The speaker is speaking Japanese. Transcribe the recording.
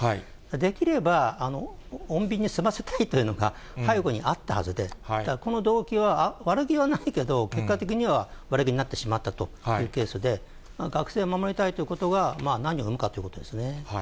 できれば穏便に済ませたいというのが、背後にあったはずで、だからこの動機は、悪気はないけど、結果的には悪気になってしまったというケースで、学生を守りたいということが何を生むかっていうことですね。